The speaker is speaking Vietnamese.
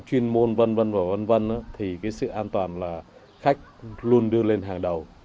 kinh môn vân vân và vân vân thì cái sự an toàn là khách luôn đưa lên hàng đầu